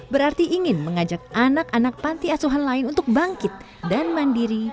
berarti ingin mengajak anak anak panti asuhan lain untuk bangkit dan mandiri